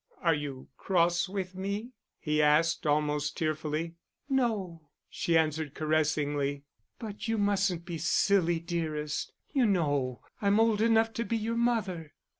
"Are you cross with me?" he asked, almost tearfully. "No," she answered, caressingly. "But you mustn't be silly, dearest. You know I'm old enough to be your mother."